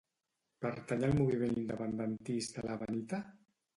Pertany al moviment independentista la Benita?